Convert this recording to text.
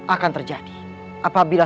akan terjadi apabila